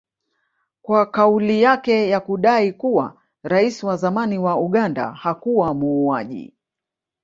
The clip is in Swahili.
kwa kauli yake ya kudai kuwa rais wa zamani wa Uganda hakuwa muuaji